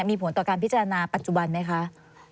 มีผลต่อการพิจารณาปัจจุบันไหมคะ